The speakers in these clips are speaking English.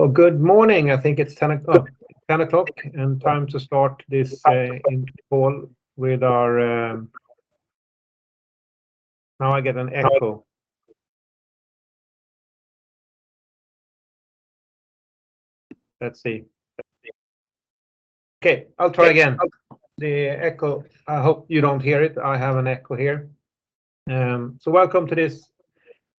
Welcome to this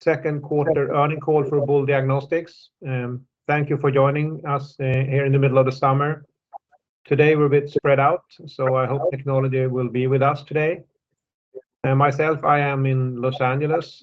second quarter earning call for Boule Diagnostics. Thank you for joining us here in the middle of the summer. Today, we're a bit spread out, so I hope technology will be with us today. Myself, I am in Los Angeles,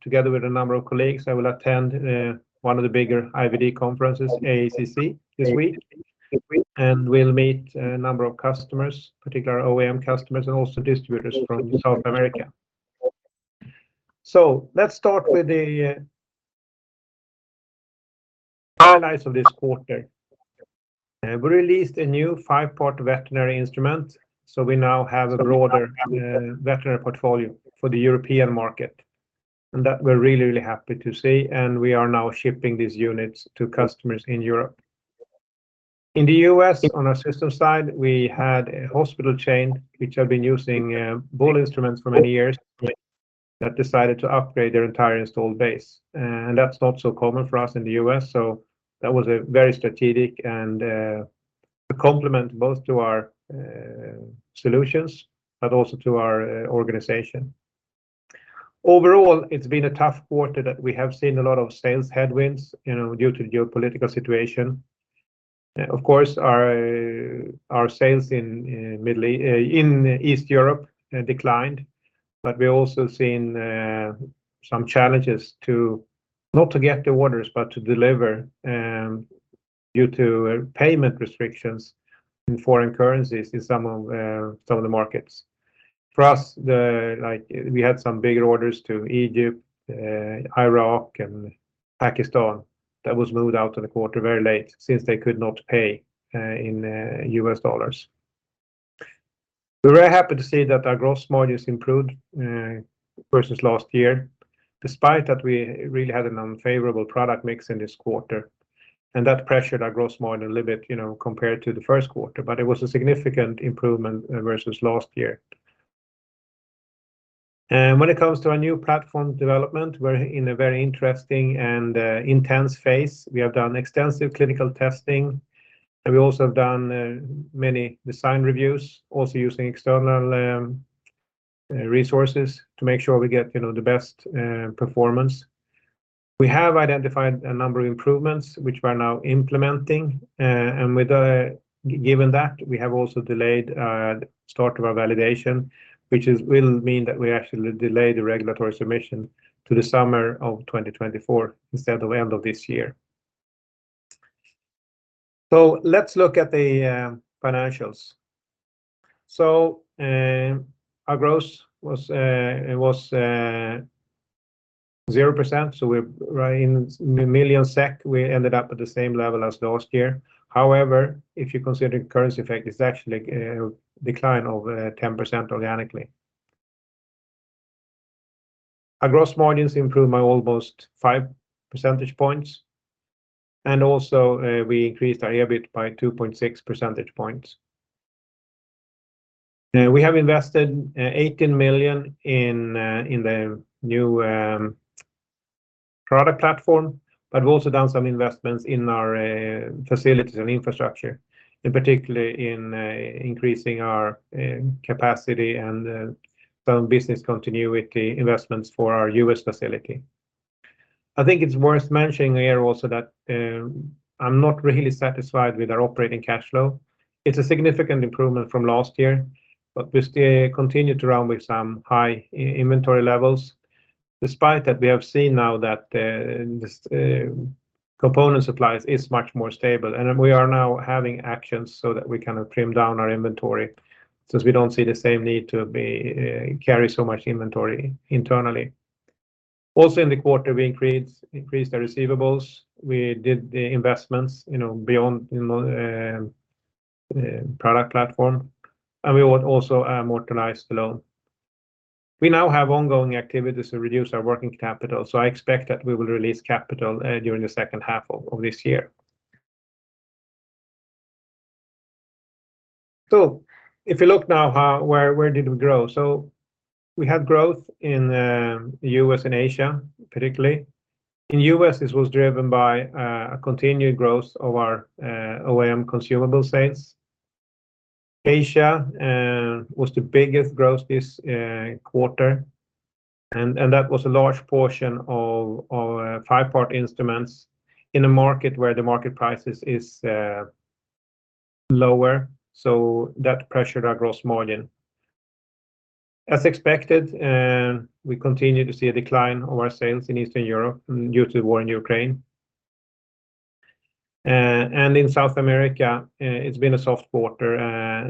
together with a number of colleagues. I will attend one of the bigger IVD conferences, AACC, this week, and we'll meet a number of customers, particularly OEM customers and also distributors from South America. Let's start with the highlights of this quarter. We released a new 5-part veterinary instrument, so we now have a broader veterinary portfolio for the European market, and that we're really, really happy to see, and we are now shipping these units to customers in Europe. In the U.S., on our system side, we had a hospital chain, which had been using Boule instruments for many years, that decided to upgrade their entire installed base. That's not so common for us in the U.S., so that was a very strategic and a complement both to our solutions, but also to our organization. Overall, it's been a tough quarter that we have seen a lot of sales headwinds, you know, due to the geopolitical situation. Of course, our sales in East Europe declined. We've also seen some challenges to, not to get the orders, but to deliver, due to payment restrictions in foreign currencies in some of the markets. For us, like we had some bigger orders to Egypt, Iraq and Pakistan that was moved out to the quarter very late since they could not pay in US dollars. We're very happy to see that our gross margins improved versus last year, despite that we really had an unfavorable product mix in this quarter. That pressured our gross margin a little bit, you know, compared to the first quarter. It was a significant improvement versus last year. When it comes to our new platform development, we're in a very interesting and intense phase. We have done extensive clinical testing, and we also have done many design reviews, also using external resources to make sure we get, you know, the best performance. We have identified a number of improvements, which we're now implementing. Given that, we have also delayed the start of our validation, which will mean that we actually delay the regulatory submission to the summer of 2024 instead of end of this year. Let's look at the financials. Our gross was 0%, so we're [right in] million SEK. We ended up at the same level as last year. However, if you consider the currency effect, it's actually a decline of 10% organically. Our gross margins improved by almost 5 percentage points. Also, we increased our EBIT by 2.6 percentage points. We have invested 18 million in the new product platform. We've also done some investments in our facilities and infrastructure, particularly in increasing our capacity and some business continuity investments for our U.S. facility. I think it's worth mentioning here also that I'm not really satisfied with our operating cash flow. It's a significant improvement from last year. We still continue to run with some high inventory levels. Despite that, we have seen now that this component supplies is much more stable. We are now having actions so that we can trim down our inventory, since we don't see the same need to be carry so much inventory internally. Also, in the quarter, we increased our receivables. We did the investments, you know, beyond, you know, product platform, and we also amortized the loan. We now have ongoing activities to reduce our working capital, so I expect that we will release capital during the second half of this year. If you look now, how, where did we grow? We had growth in U.S. and Asia, particularly. In U.S., this was driven by a continued growth of our OEM consumable sales. Asia was the biggest growth this quarter, and that was a large portion of 5-part instruments in a market where the market prices is lower, so that pressured our gross margin. As expected, we continue to see a decline of our sales in Eastern Europe due to the war in Ukraine. In South America, it's been a soft quarter,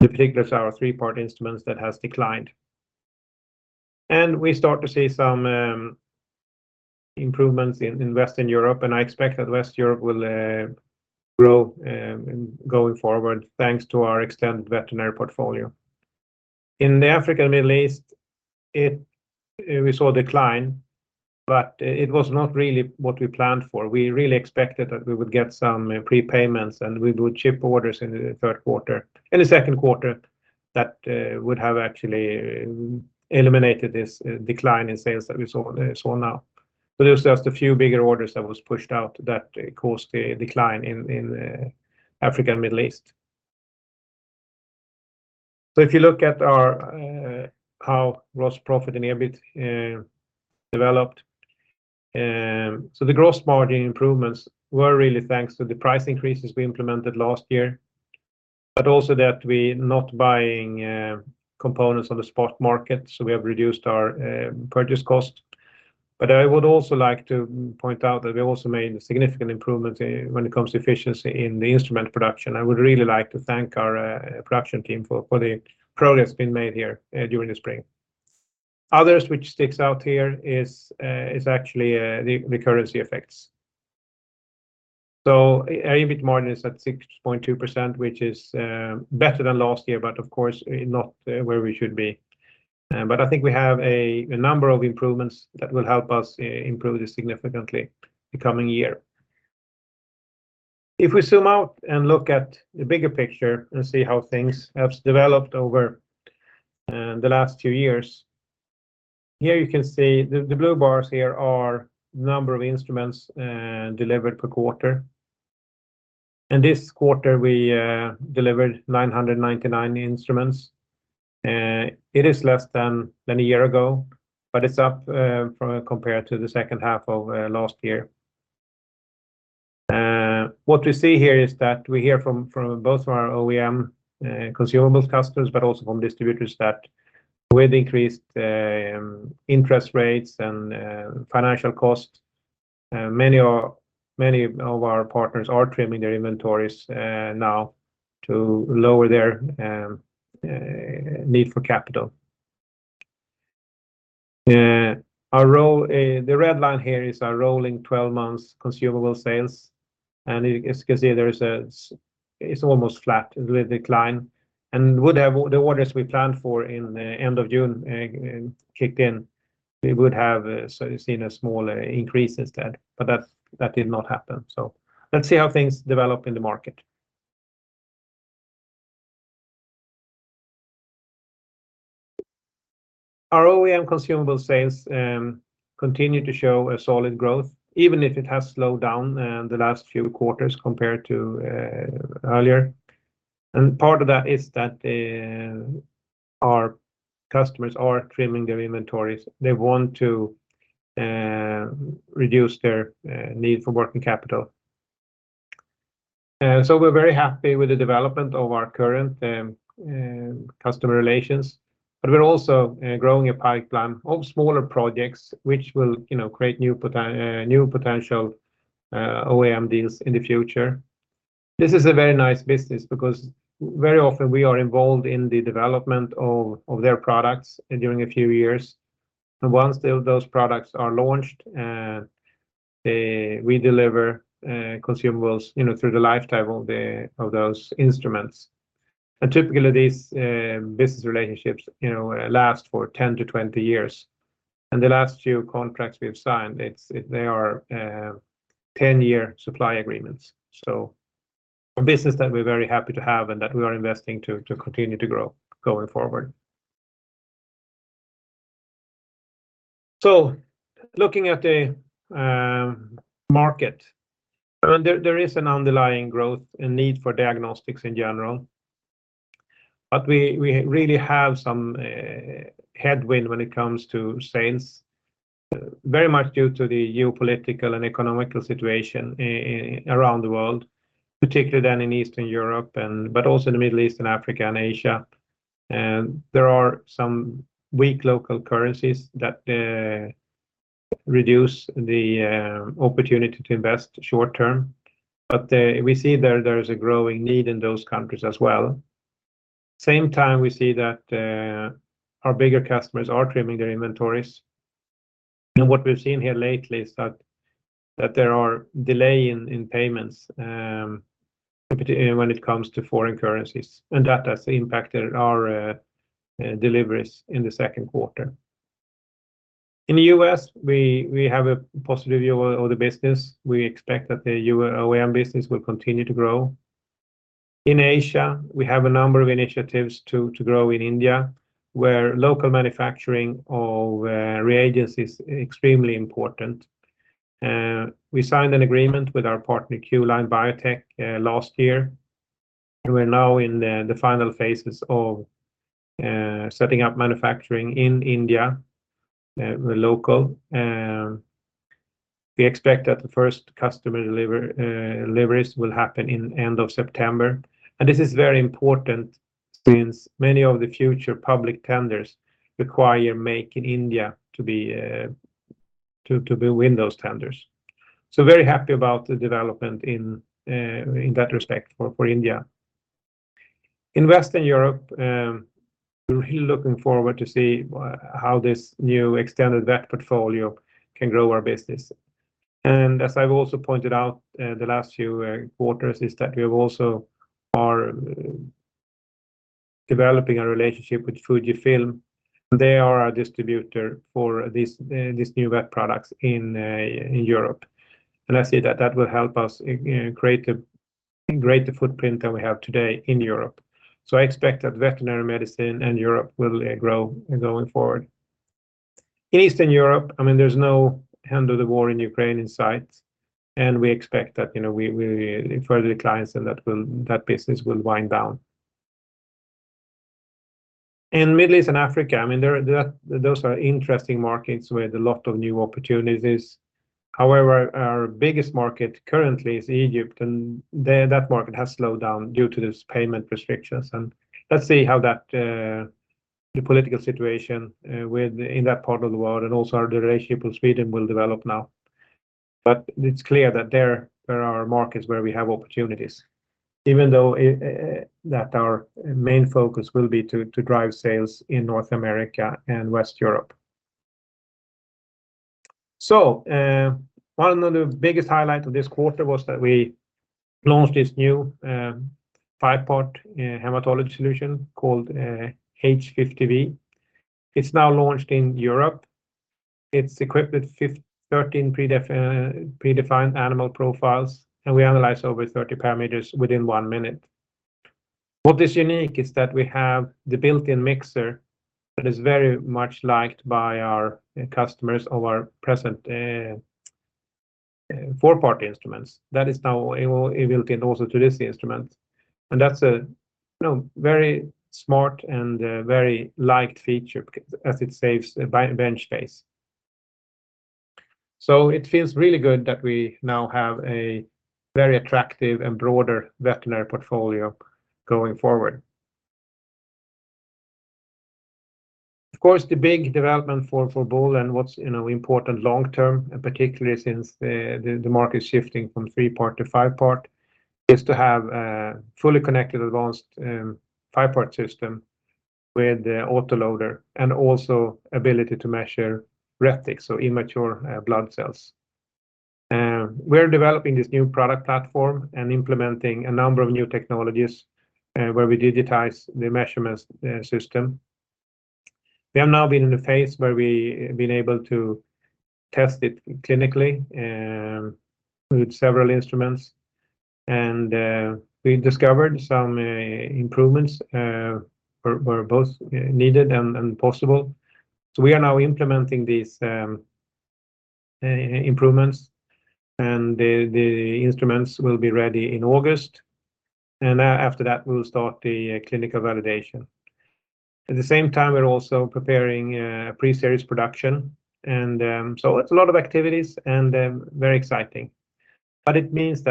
in particular, it's our three-part instruments that has declined. We start to see some improvements in Western Europe, and I expect that West Europe will grow going forward, thanks to our extended veterinary portfolio. Africa, Middle East, we saw decline, but it was not really what we planned for. We really expected that we would get some prepayments and we would ship orders in the third quarter, in the second quarter, that would have actually eliminated this decline in sales that we saw now. It was just a few bigger orders that was pushed out that caused the decline in Africa and Middle East. If you look at our how gross profit and EBIT developed, the gross margin improvements were really thanks to the price increases we implemented last year, but also that we not buying components on the spot market, so we have reduced our purchase cost. I would also like to point out that we also made significant improvements in when it comes to efficiency in the instrument production. I would really like to thank our production team for the progress being made here during the spring. Others, which sticks out here is actually the currency effects. EBIT margin is at 6.2%, which is better than last year, but of course, not where we should be. I think we have a number of improvements that will help us improve this significantly the coming year. If we zoom out and look at the bigger picture and see how things have developed over the last two years, here you can see the blue bars here are number of instruments delivered per quarter. This quarter we delivered 999 instruments. It is less than a year ago, but it's up from compared to the second half of last year. What we see here is that we hear from both our OEM consumable customers, but also from distributors, that with increased interest rates and financial costs, many of our partners are trimming their inventories now to lower their need for capital. Our roll, the red line here is our rolling 12 months consumable sales, and as you can see, there is a it's almost flat, a little decline. Would have the orders we planned for in the end of June kicked in, we would have seen a small increase instead, but that did not happen. Let's see how things develop in the market. Our OEM consumable sales continue to show a solid growth, even if it has slowed down in the last few quarters compared to earlier. Part of that is that our customers are trimming their inventories. They want to reduce their need for working capital. So we're very happy with the development of our current customer relations, but we're also growing a pipeline of smaller projects, which will, you know, create new potential OEM deals in the future. This is a very nice business because very often we are involved in the development of their products during a few years, and once those products are launched, we deliver consumables, you know, through the lifetime of those instruments. Typically, these business relationships, you know, last for 10-20 years. The last few contracts we have signed, they are 10-year supply agreements. A business that we're very happy to have and that we are investing to continue to grow going forward. Looking at the market, and there is an underlying growth and need for diagnostics in general, but we really have some headwind when it comes to sales, very much due to the geopolitical and economical situation around the world, particularly than in Eastern Europe and, but also in the Middle East and Africa and Asia. There are some weak local currencies that reduce the opportunity to invest short term, but we see there is a growing need in those countries as well. Same time, we see that our bigger customers are trimming their inventories. What we've seen here lately is that there are delay in payments when it comes to foreign currencies, and that has impacted our deliveries in the second quarter. In the U.S., we have a positive view of the business. We expect that the OEM business will continue to grow. In Asia, we have a number of initiatives to grow in India, where local manufacturing of reagents is extremely important. We signed an agreement with our partner, Q-Line Biotech, last year, and we're now in the final phases of setting up manufacturing in India local. We expect that the first customer deliveries will happen in end of September. This is very important since many of the future public tenders require Make in India to be to win those tenders. Very happy about the development in that respect for India. In Western Europe, we're really looking forward to see how this new extended VET portfolio can grow our business. As I've also pointed out, the last few quarters, is that we have also are developing a relationship with FUJIFILM, and they are our distributor for these VET products in Europe. I see that that will help us, you know, create a greater footprint than we have today in Europe. I expect that veterinary medicine in Europe will grow going forward. In Eastern Europe, I mean, there's no end of the war in Ukraine in sight, and we expect that, you know, we further declines and that business will wind down. In Middle East and Africa, I mean, those are interesting markets with a lot of new opportunities. However, our biggest market currently is Egypt, that market has slowed down due to those payment restrictions, let's see how the political situation in that part of the world, also our relationship with Sweden will develop now. It's clear that there are markets where we have opportunities, even though that our main focus will be to drive sales in North America and West Europe. One of the biggest highlight of this quarter was that we launched this new 5-part hematology solution called H50V. It's now launched in Europe. It's equipped with 13 predefined animal profiles, we analyze over 30 parameters within 1 minute. What is unique is that we have the built-in mixer that is very much liked by our customers of our present, four-part instruments. That is now available also to this instrument, and that's a, you know, very smart and very liked feature as it saves bench space. It feels really good that we now have a very attractive and broader veterinary portfolio going forward. Of course, the big development for Boule and what's, you know, important long term, and particularly since the market is shifting from three-part to five-part, is to have a fully connected, advanced, five-part system with the autoloader, and also ability to measure retics, so immature blood cells. We're developing this new product platform and implementing a number of new technologies, where we digitize the measurements system. We have now been in the phase where we've been able to test it clinically, with several instruments, we discovered some improvements were both needed and possible. We are now implementing these improvements, the instruments will be ready in August, after that, we'll start the clinical validation. At the same time, we're also preparing pre-series production, it's a lot of activities and very exciting. It means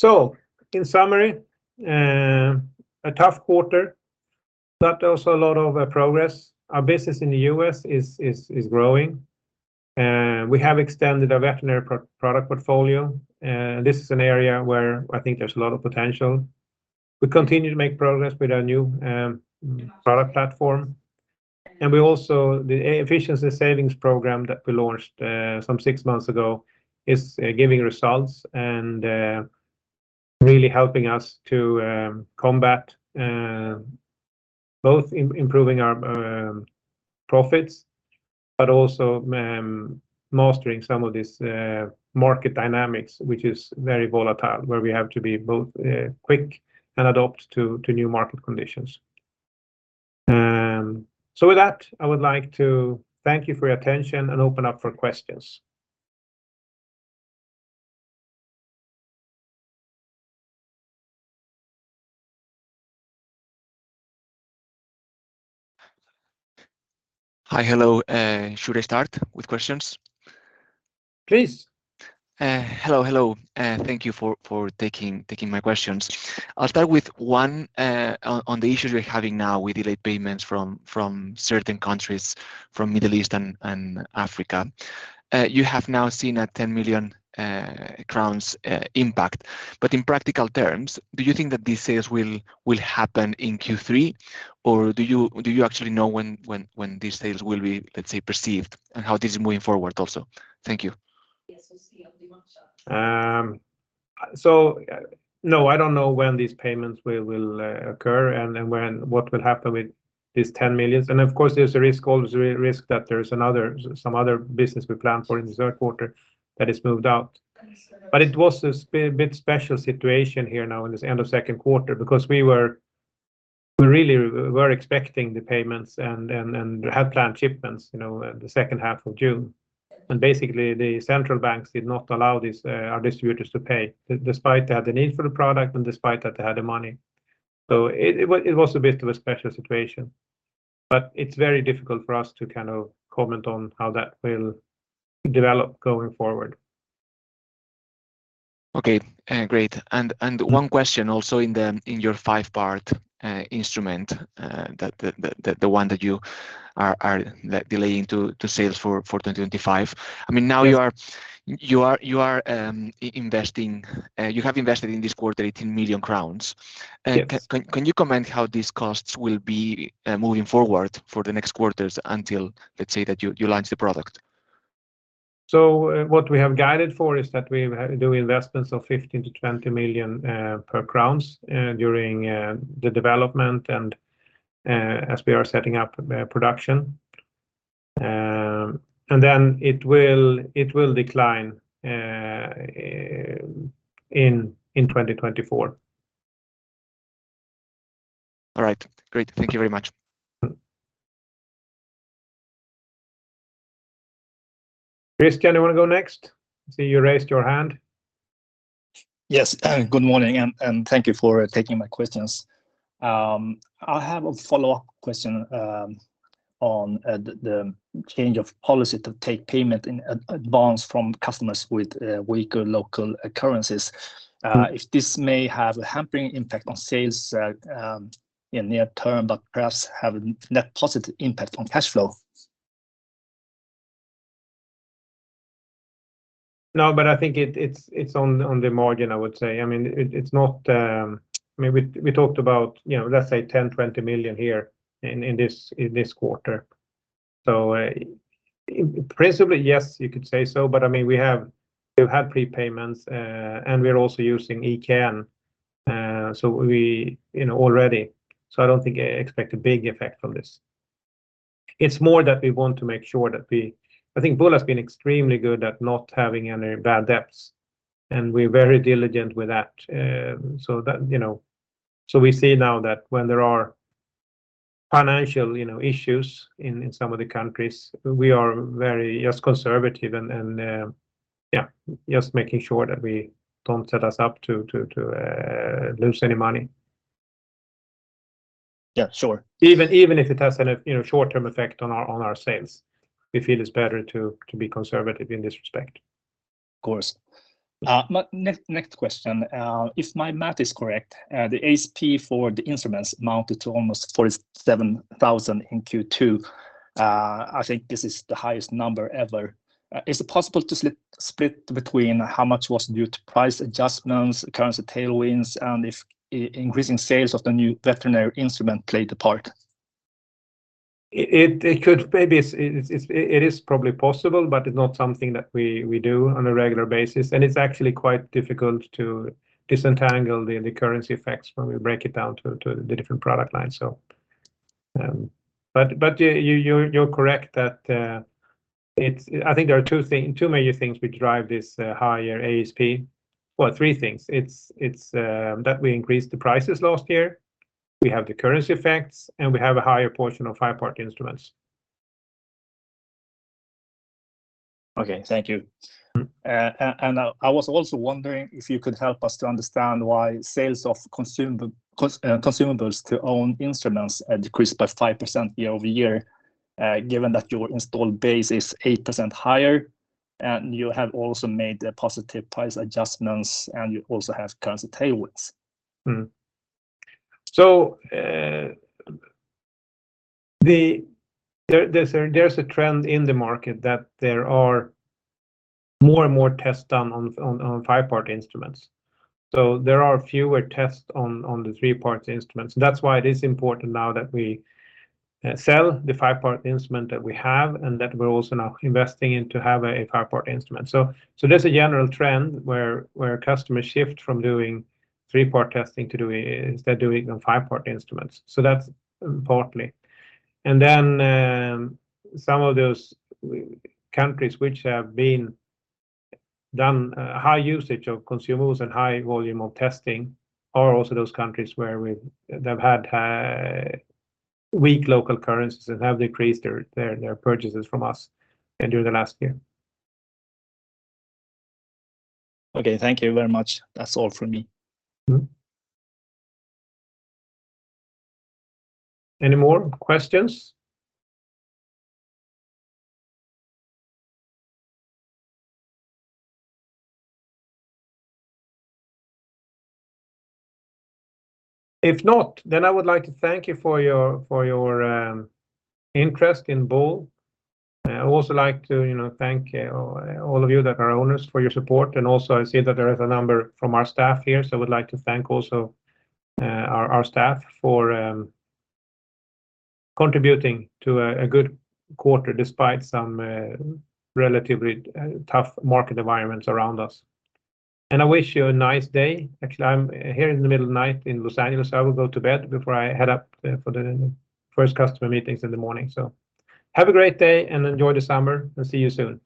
that our regulatory submission will be delayed until next summer. In summary, a tough quarter, but also a lot of progress. Our business in the U.S. is growing, we have extended our veterinary product portfolio, this is an area where I think there's a lot of potential. We continue to make progress with our new product platform, and we also, the efficiency savings program that we launched six months ago, is giving results and really helping us to combat both improving our profits, but also mastering some of these market dynamics, which is very volatile, where we have to be both quick and adapt to new market conditions. With that, I would like to thank you for your attention and open up for questions. Hi. Hello, should I start with questions? Please. Hello, hello, thank you for taking my questions. I'll start with one on the issues we're having now with delayed payments from certain countries, from Middle East and Africa. You have now seen a 10 million crowns impact, but in practical terms, do you think that these sales will happen in Q3, or do you actually know when these sales will be, let's say, received, and how this is moving forward also? Thank you. No, I don't know when these payments will occur, and what will happen with these 10 million, and of course, there's a risk, always a risk that there's another, some other business we planned for in this third quarter that is moved out. It was a bit special situation here now in this end of second quarter, because we really were expecting the payments and had planned shipments, you know, the second half of June. Basically, the central banks did not allow this, our distributors to pay, despite they had the need for the product and despite that they had the money. It was a bit of a special situation, but it's very difficult for us to kind of comment on how that will develop going forward. Okay, great. One question also in the, in your 5-part instrument, that, the one that you are delaying to sales for 2025. I mean, now you are investing, you have invested in this quarter 18 million crowns. Can you comment how these costs will be moving forward for the next quarters until, let's say, that you launch the product? What we have guided for is that we have, do investments of 15 million- 20 million crowns during the development and as we are setting up production. It will decline in 2024. All right. Great. Thank you very much. Christian, you want to go next? I see you raised your hand. Good morning. Thank you for taking my questions. I have a follow-up question on the change of policy to take payment in advance from customers with weaker local currencies. Mm-hmm. If this may have a hampering impact on sales, in near term, but perhaps have a net positive impact on cash flow? I think it's on the, on the margin, I would say. I mean, it's not... I mean, we talked about, you know, let's say 10 million-20 million here in this, in this quarter. Principally, yes, you could say so, but I mean, we have prepayments, and we are also using EKN, so we, you know, already, so I don't think, expect a big effect from this. It's more that we want to make sure that we... I think Boule has been extremely good at not having any bad debts, and we're very diligent with that. That, you know, so we see now that when there are financial, you know, issues in some of the countries, we are very just conservative and just making sure that we don't set us up to lose any money. Yeah, sure. Even if it has any, you know, short-term effect on our sales, we feel it's better to be conservative in this respect. Of course. Next question. If my math is correct, the ASP for the instruments amounted to almost 47,000 in Q2. I think this is the highest number ever. Is it possible to split between how much was due to price adjustments, currency tailwinds, and if increasing sales of the new veterinary instrument played a part? It could maybe it is probably possible, but it's not something that we do on a regular basis, and it's actually quite difficult to disentangle the currency effects when we break it down to the different product lines. You're correct that it's, I think there are two major things which drive this higher ASP. Well, three things. It's that we increased the prices last year, we have the currency effects, and we have a higher portion of 5-part instruments. Okay, thank you. Mm-hmm. I was also wondering if you could help us to understand why sales of consumables to own instruments decreased by 5% year-over-year, given that your installed base is 8% higher, and you have also made positive price adjustments, and you also have currency tailwinds? There's a trend in the market that there are more and more tests done on 5-part instruments. There are fewer tests on the 3-part instruments. That's why it is important now that we sell the 5-part instrument that we have, and that we're also now investing in to have a 5-part instrument. There's a general trend where customers shift from doing 3-part testing to instead doing on 5-part instruments. That's importantly. Some of those countries which have been done high usage of consumables and high volume of testing, are also those countries where they've had high, weak local currencies and have decreased their purchases from us during the last year. Okay, thank you very much. That's all from me. Mm-hmm. Any more questions? If not, I would like to thank you for your, for your interest in Boule. I'd also like to, you know, thank all of you that are owners for your support. Also, I see that there is a number from our staff here. I would like to thank also our staff for contributing to a good quarter, despite some relatively tough market environments around us. I wish you a nice day. Actually, I'm here in the middle of the night in Los Angeles, I will go to bed before I head up for the first customer meetings in the morning. Have a great day and enjoy the summer, and see you soon.